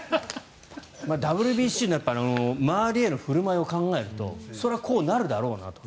ＷＢＣの周りへのふるまいを考えるとそれはこうなるだろうなと。